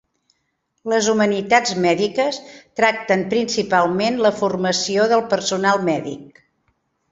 Les humanitats mèdiques tracten principalment la formació del personal mèdic.